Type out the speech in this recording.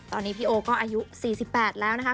ตอนนี้พี่โอก็อายุ๔๘แล้วนะคะ